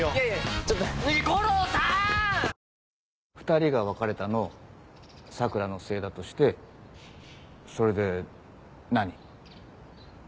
２人が別れたの佐倉のせいだとしてそれで何？